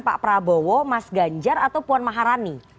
pak prabowo mas ganjar atau puan maharani